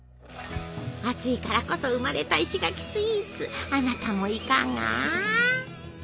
暑いからこそ生まれた石垣スイーツあなたもいかが！